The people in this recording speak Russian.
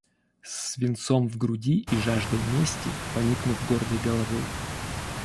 С свинцом в груди и жаждой мести, поникнув гордой головой!..